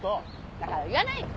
だから言わないって。